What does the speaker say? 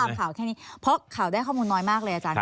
ข่าวแค่นี้เพราะข่าวได้ข้อมูลน้อยมากเลยอาจารย์